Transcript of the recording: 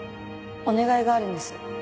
お願いがあるんです。